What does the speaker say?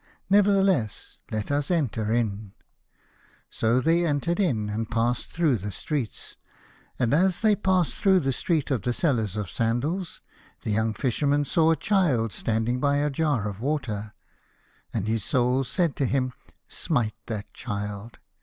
Nevertheless let us enter • j y in. So they entered in and passed through the streets, and as they passed through the Street of the Sellers of Sandals, the young Fisherman saw a child standing by a jar of water. And his Soul said to him, " Smite that child."